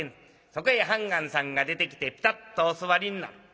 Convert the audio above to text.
そこへ判官さんが出てきてぴたっとお座りになる。